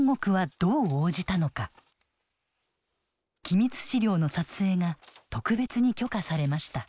機密史料の撮影が特別に許可されました。